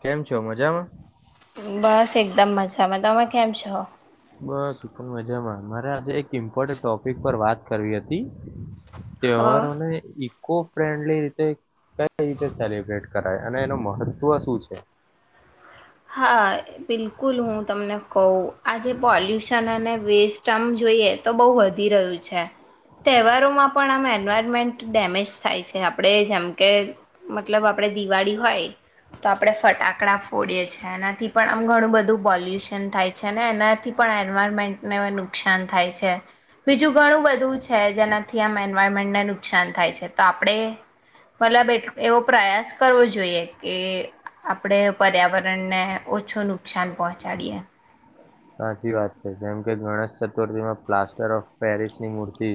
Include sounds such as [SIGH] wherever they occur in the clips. કેમ છો મજામાં. બસ એકદમ મજામાં તમે કેમ છો. બસ મજામાં મારે આજે એક ઇમ્પોર્ટ ટોપિક પર વાત કરવી હતી. હા. તહેવારને. કો ફ્રેન્ડલી કઈ, કઈ રીતે સેલિબ્રેટ કરાય? અને એનું મહત્વ સુ છે? હા બિલકુલ, હું તમને કહું. આજે પોલ્યુશન અને વેસ્ટ આમ જોઈએ તો બહુ વધી રહ્યું છે, તહેવારોમાં પણ આમ એન્વાયરમેન્ટ ડેમેજ થાય છે, આપણેે જેમકે, મતલબ આપણેે દિવાળી હોય, તો આપણેે ફટાકડા ફોડીએ છીએ. એનાથી પણ આમ ઘણું બધું પોલ્યુશન થાય છે અને એનાથી પણ એન્વાયરમેન્ટને નુકશાન થાય છે બીજું ઘણું બધું છે જેનાથી આમેન એયમેન્ટને નુકશાન થાય છે, તો આપણે મતલબ એવો પ્રયાસ કરવો જોઈએ કે આપણે પર્યાવરણ ને ઓછું નુકશાન પહોંચાડીએ. સાચી વાત છે, જેમ કે ગણેશ ચતુર્થીમાં પ્લાસ્ટર ઓફ પેરિસની મૂર્તિ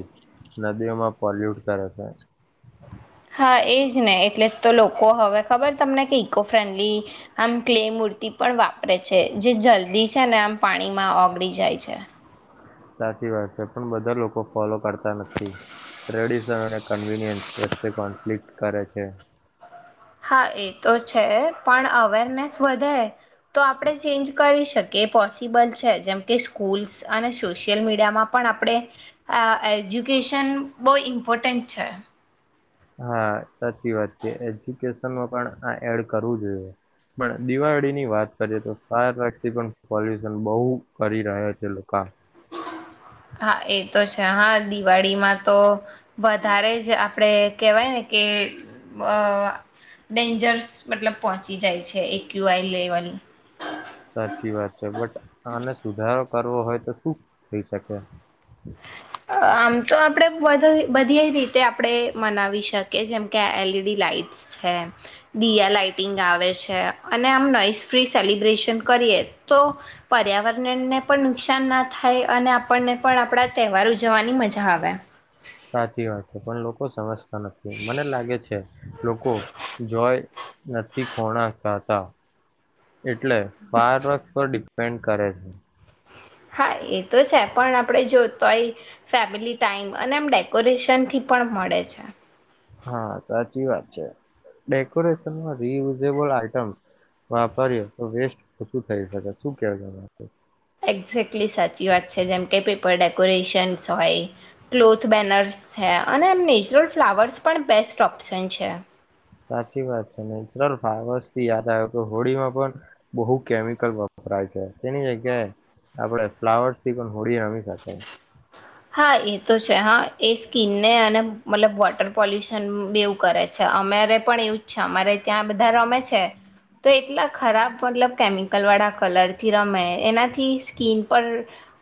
નદીઓમાં પોલ્યુટ કરે છે. હા એજ ને, એટલે તો લોકો હવે ખબર તમને કે, ઈકો ફ્રેન્ડલી, આમ ક્લે મૂર્તિ પણ વાપરે છે, જે જલ્દી છે ને આમ પાણીમાં ઓગળી જાય છે. સાચી વાત છે, પણ બધા લોકો ફોલો કરતા નથી, ટ્રેડિશન અને કન્વીનિયન્સ વચ્ચે કોન્ફ્લિક્ટ કરે છે. હા, એ તો છે, પણ અવેરનેસ વધે તો આપણે ચેન્જ કરી શકીએ, પોસિબલ છે, જેમ કે સ્કૂલ્સ અને સોશિયલ મીડિયામાં પણ આપણે એજ્યુકેશન બહુ ઇમ્પોર્ટન્ટ છે. હા, સાચી વાત છે. એજ્યુકેસનમાં પણ આ એડ કરવું જોઈએ. પણ, દિવાળીની વાત કરીએ તો, ફાયરવર્કસથી પણ પોલ્યુશન બહુ કરી રહ્યા છે લોકા હા, એ તો છે હાં, દિવાળીમાં તો વધારે જ આપડે કેહેવાય ને કે અ વ ડેન્જરસ, મતલબ પહોંચી જાય છે, એક્યુઆઈ લેવલ સાચી વાત છે બટ આને સુધારો કરવો હોય તો શું થઈ સકે? આમ તો આપણે બધ, બધીય રીતે આપણે મનાવી શકીએ, જેમકે આ એલઈડી લાાઈટ્સ છે, દીયા લાાઈટિંગ આવે છે, અને આમ નોઈસ ફ્રી સેલિબ્રેશન કરીએ, તો પર્યાવરનનને પણ નુકસાન ના થાય અને આપણને પણ આપણા તહેવાર ઉજવવાની મજા આવે. સાચી વાત છે, પણ લોકો સમજતા નથી, મને લાગે છે લોકો, જોય નથી ખોણા ચાહતા. એટલે ફાયર વર્કસ પર ડિપેન્ડ કરે છે. હા, એ તો છે, પણ આપણે જો તોય ફેમિલી ટાઈમ અને એમ ડેકોરેશનથી પણ મળે છે. હા, સાચી વાત છે, ડેકોરેસનમાં રિયુઝેબલ આઈટમ્ વાપરએ તો વેસ્ટ ઓછું થઈ સકે સુ કે? એક્ઝેક્ટલી સાચી વાત છે જેમ કે પેપર ડેકોરેશન્સ હોય, ક્લોથ બેનર્સ છે, અને એમ નેચરલ ફ્લાવર્સ પણ બેસ્ટ ઓપ્શન છે. સાચી વાત છે, નેચરલ ફ્લાવર્સથી યાદ આવે કે, હોળીમાં પણ બહુ કેમિકલ વપરાય છે, તેની જગ્યાએ આપણે ફ્લાવર્સથી પણ હોળી રમી સકાય. હા, એ તો છે હ, એ સ્કીનને અને મતલબ વોટર પોલ્યુશન બેઉ કરે છે. અમારે પણ એવું જ છે, અમારે ત્યાં બધા રમે છે, તો એટલા ખરાબ, મતલબ, કેમિકલ વાળા કલરથી રમે. એનાથી સ્કીન પર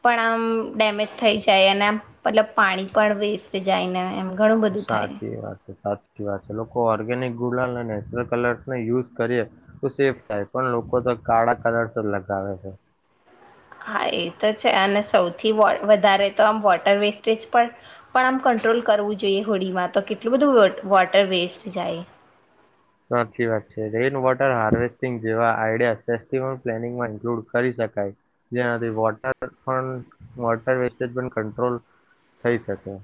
પણ આમ ડેમેજ થઈ જાય જ એના મતલબ પાણી પણ વેસ્ટ જાય ને એમ ઘણું બધું થાય સાચી વાત છે, સાચી વાત છે. લોકો ઓર્ગેનિક ગુલાલ અને નેચરલ કલર્સનો યુઝ કરીએ તો સેફ થાય. પણ લોકો તો કાળા કલર્સ જ લગાવે છે! હા, એ તો છે. અને સૌથી વધારે તો આમ વોટર વેસ્ટેજ પણ, પણ આમ કંટ્રોલ કરવું જોઈએ, હોળીમાં તો કેટલું બધું વોટર વેસ્ટ જાય! સાચી વાત છે, રેન વોટર હારવેસ્ટિંગ જેવા આઈડિયા ફેસ્ટિવલ પ્લાનિંગમાં ઇન્ક્લૂડ કરી શકાય, જેનાથી વોટર પણ, વોટર વેસ્ટેજ પણ કંટ્રોલ થઈ શકે.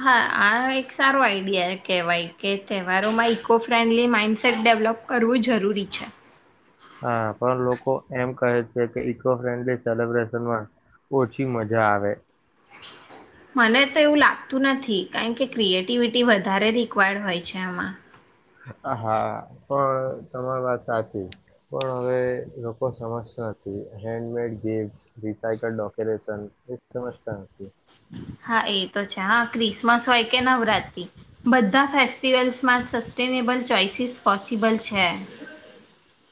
હા, આ એક સારો આઈડિયા કહેવાય, કે તહેવારોમાં ઈકો ફ્રેન્ડલી માઈન્ડસેટ ડેવલોપ કરવું જરૂરી છે. હા, પણ લોકો એમ કહે છે કે ઈકો ફ્રેન્ડલી સેલબ્રેશનમાં ઓછી મજા આવે. મને તો એવું લાગતું નથી, કારણ કે ક્રિએટિવિટી વધારે રિક્વાયર્ડ હોય છે એમાં હા, પણ તમારી વાત સાચી, પણ હવે લોકો સમજતા નથી. હેન્ડમેડ ગિફ્ટસ, રીસાઇકલ્ડ ડકોરેશન, એ સમજતા નથી. હા એ તો છે હા, ક્રિસમસ હોય કે નવરાત્રી, બધા ફેસ્ટિવલ્સમાં સસ્ટેનેબલ ચોઈસીસ પોસિબલ છે.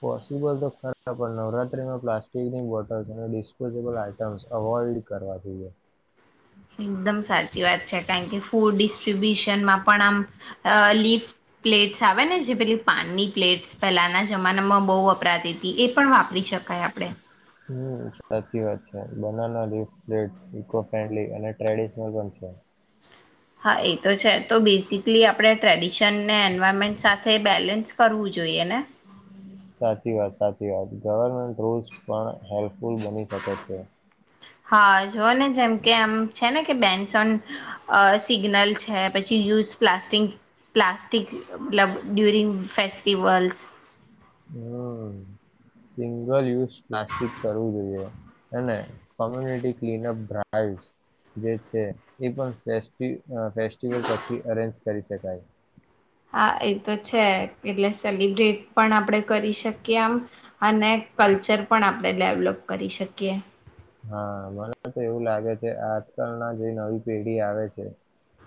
પોસિબલ તો ખરા. પણ, નવરાત્રીમાં પ્લાસ્ટિકની બોટલ્સ અને ડિસ્પોઝેબલ આઈટમ્સ અવોઈડ કરવા જોઈએ. એકદમ સાચી વાત છે કાયણ કે ફૂડ ડિસ્ટ્રીબ્યુશનમાં પણ આમ અ લીફ પ્લેટ્સ આવે ને જે, પેલી પાનની પ્લેટ્સ, પહેલાના જમાનામાં બહુ વપરાતીતી, એ પણ વાપરી શકાય આપણે હમ, સાચી વાત છે. Banana leaf plates, eco friendly અને ટ્રેડિશનલ પણ છે. હા, એ તો છે. તો બેઝિકલી આપણે ટ્રેડિશનને એન્વાયરમેન્ટ સાથે બેલેન્સ કરવું જોઈએ ને! સાચી વાત, સાચી વાત, ગવર્મેન્ટ રૂલ્સ પણ હેલ્પફુલ બની શકે છે. હા જોઓ ને જેમ કે આમ છે ને કે બેન્સ ઓન અ સિગ્નલ છે પછી use plast plastic club during festivals. હમ્મ સિંગલ યુઝ પ્લાસ્ટિક કરવું જોઈએ અને કોમ્યુનિટી ક્લીનઅપ ડ્રાઈવસ જે છે એ પણ ફેસ્ટિ ફેસ્ટિવલ પછી અરેન્જ કરી શકાય. હા એ તો છે એટલે સેલિબ્રેટ પણ આપણે કરી શકીએ આમ અને કલ્ચર પણ આપણે ડેવલોપ કરી શકીએ. હા મને તો એવું લાગે છે આજકાલ ના જે નવી પેઢી આવે છે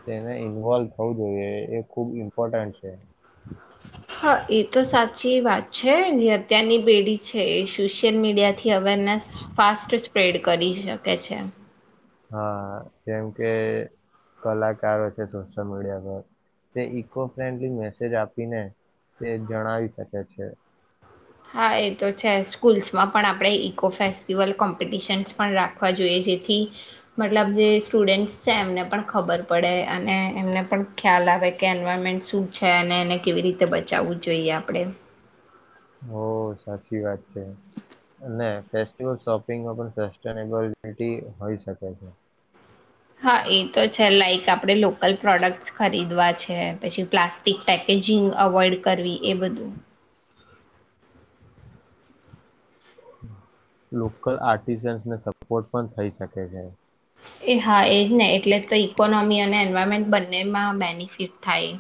તેને ઇન્વોલ્વ થવું જોઈએ એ ખુબ ઇમ્પોર્ટન્ટ છે. હા એ તો સાચી વાત છે જે અત્યારની પેઢી છે એ સોશિયલ મીડિયાથી અવેરનેસ ફાસ્ટ સ્પ્રેડ કરી શકે છે. હા જેમ કે કલાકારો છે સોશિયલ મીડિયા પર તે ઈકો ફ્રેન્ડલી મેસેજ આપીને તે જણાવી શકે છે. હા એ તો છે સ્કૂલ્સમાં પણ આપણેે ઈકો ફેસ્ટિવલ કોમ્ પિટિશન્સ પણ રાખવા જોઈએ. જેથી મતલબ જે સ્ટુડન્ટ્સ છે એમને પણ ખબર પડે અને એમને પણ ખ્યાલ આવે કે એન્વાયરમેન્ટ શું છે અને એને કેવી રીતે બચાવવું જોઈએ આપણે. ઓ સાચી વાત. છે ને. ફેસ્ટિવલ શોપિંગમાં પણ સસ્ટેનેબલ સિટી હોઈ શકે. હા એ તો છે લાઇક આપણે લોકલ પ્રોડક્ટસ ખરીદવા છે પછી પ્લાસ્ટિક પેકેજિંગ અવોઈડ કરવી એ બધું. લોકલ આર્ટિસને સપોર્ટ પણ થઈ શકે છે. એ હા એ ને એટલે તો ઇકોનોમી અને એન્વાયરમેન્ટ બંનેમાં બેનિફિટ થાય.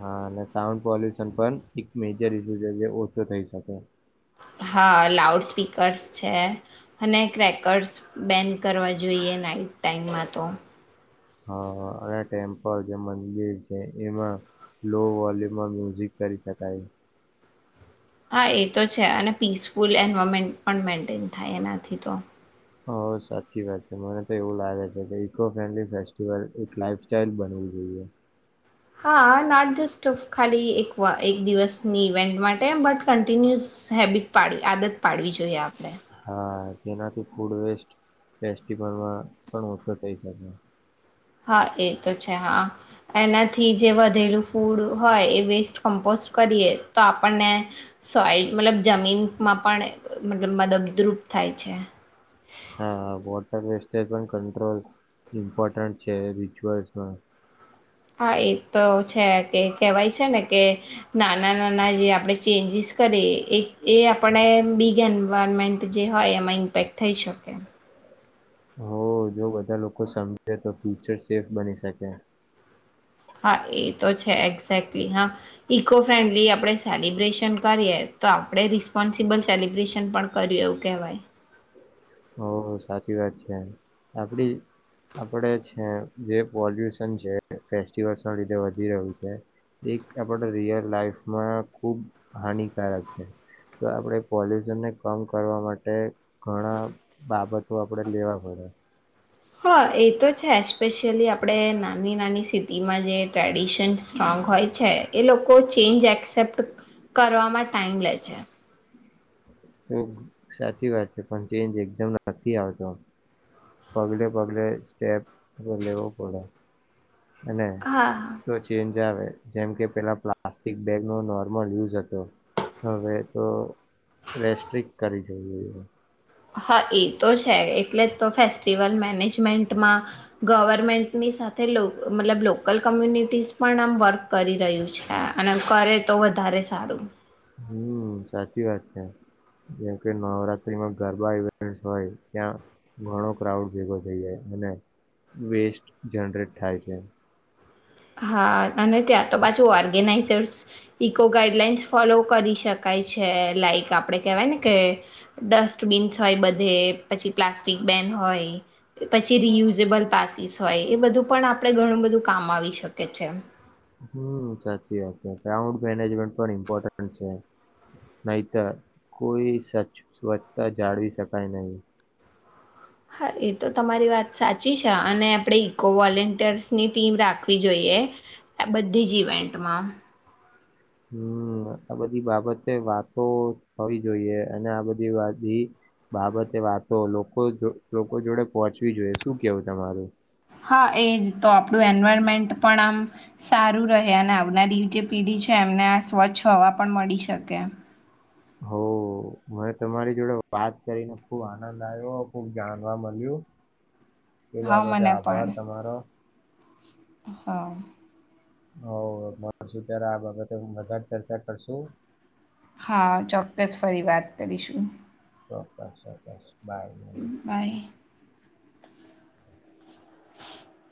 હા અને સાઉન્ડ પોલ્યુશન પણ એક મેજર ઇશીયુ છે જે ઓછો થઈ શકે. હા લાઉડ સ્પીકર્સ છે અને ક્રેકર્સ બેન કરવા જોઈએ નાઈટ ટાઈમમાં તો. હ હ અને ટેમ્પલ જે મંદિર છે એમાં લો વોલ્યુમમાં મ્યુઝિક કરી શકાય. હા એ તો છે અને પીસફુલ એન્વાયરમેન્ટ પણ મેન્ટેન થાય એનાથી તો. હ સાચી વાત છે મને તો એવું લાગે છે કે ઈકો ફ્રેન્ડલી ફેસ્ટિવલ એક લાઈફ સ્ટાઇલ બનવી જોઈએ. હા નોટ જસ્ટ ઓફ ખાલી એક વા એક દિવસ ની [UNINTELLIGIBLE] માટે બટ કન કન્ટિન્યુઅસ હેબિટ પાડી આદત પાડવી જોઈએ આપ હા. જેનાથી ફૂડ વેસ્ટ ફેસ્ટિવલમાં પણ ઓછો થઈ શકે. હા એ તો છે હા એનાથી જે વધેલું ફૂડ હોય એ વેસ્ટ કમ્પોસ્ટ કરીએ તો આપણને સોઈલ મતલબ જમીનમાં પણ મતલબ મદદદરૂપ થાય છે. હા વોટર વેસ્ટજ પણ કંટ્રોલ ઇમ્પોર્ટન્ટ છે રિચુઅલ્સમાં. હા એ તો છે કે કેહેવાય છે ને કે નાના નાના જે આપણે ચેન્જીસ કરીએ એ એ આપણે બીગ એન્વાયરમેન્ટ જે હોય એમાં ઇમ્પેક્ટ થઈ શકે. હો જો બધા લોકો સમજે તો ફ્યુચર સેફ બની શકે. હા એ તો છે એક્ઝેક્ટલી હા ઈકો ફ્રેન્ડલી આપણે સેલિબ્રેશન કરીએ તો આપણે રિસ્પોન્સિબલ સેલિબ્રેશન પણ કર્યું એવું કહેવાય. ઓ સાચી વાત છે આપડી આપણે છે જે પોલ્યુશન છે ફેસ્ટિવલ્સ ના લીધે વધી રહ્યું છે એક આપણા રિયલ લાઈફમાં ખૂબ હાનિકારક છે તો આપણે પોલ્યુશનને કમ કરવા માટે ઘણા બાબતો આપડે લેવા પડે. હા એ તો છે એસ્પેશયલી આપણે નાની નાની સિટીમાં જે ટ્રેડિશન સ્ટ્રોંગ હોય છે એ લોકો ચેન્જ એક્સેપ્ટ કરવામાં ટાઈમ લે છે. તો સાચી વાત છે પણ ચેન્જ એકદમ નથી આવતો પગલે પગલે સ્ટેપ તો લેવો પડે. અને હા. કોઈ ચેન્જ જ આવે જેમ કે પેલા પ્લાસ્ટિક બેગ નો નોર્મલ યુઝ હતો હવે તો રેસ્ટ્રિક કરી [UNINTELLIGIBLE] હા એ તો છે એટલે તો ફેસ્ટિવલ મેનેજમેન્ટમાં ગવર્મેન્ટની સાથે લો મતલબ લોકલ કમ્યુનિટીઝ પણ આમ વર્ક કરી રહ્યું છે અને કરે તો વધારે સારું. હમ્મ સાચી વાત છે જેમકે નવરાત્રીમાં ગરબા ઇવેન્ટ હોય ત્યાં ઘણો ક્રાઉડ ભેગો થઈ જાય અને વેસ્ટ જનરેટ થાય છે. હા અને ત્યાં તો પાછું ઓર્ગેનાઇઝર્સ ઇકો ગાઈડલાઇન્સ ફોલો કરી શકાય છે લાઈક આપણે કહેવાય ને કે ડસ્ટબીન્સ હોય બધે પછી પ્લાસ્ટિક બેન હોય કે પછી રિયુઝેબલ પાસીસ હોય એ બધું પણ આપણે ઘણું બધું કામ આવી શક કે છે. હમ્મ સાચી વાત છે ગ્રાઉન્ડ મેનેજમેન્ટ પણ ઇમ્પોર્ટન્ટ છે નહીતર કોઈ સચ સ્વચ્છતા જાળવી શકાય નહી. હા એ તો તમારી વાત સાચી છે અને આપણે ઈકો વોલન્ટિયર્સની ટીમ રાખવી જોઈએ આ બધી જ ઇવેન્ટમાં. હમ્મ,. આ બધી બાબતે વાતો થવી જોઈએ અને આ બધી [UNINTELLIGIBLE] બાબતે વાતો લોકો જ લોકો જોડે પહોચવી જોઈએ. શું કેવું તમારું? હા એ જ તો આપણું એન્વાયરમેન્ટ પણ આમ સારું રહે અને આવનારી જે પેઢી છે એમને આ સ્વચ્છ હવા પણ મળી શકે. હોવ. મને તમારી જોડે વાત કરીને ખુબ આનંદ આવ્યો ખુબ જાણવા મલ્યું. એ હા બાબતે મને આભાર પણ તમારો. હા. હોવ હવે મળશું ત્યારે આ બાબતે વધારે ચર્ચા કરશું. હા ચોક્કસ ફરી વાત કરીશું. ચોક્કસ-ચોક્કસ બાય. બાય.